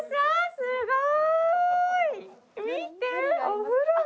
すごーい！